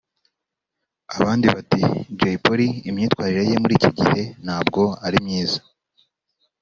abandi bati Jay Polly imyitwarire ye muri iki gihe ntabwo ari myiza